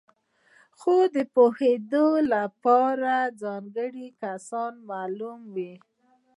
خو د پوره پوهېدو لپاره ځانګړي کسان معلوم وي.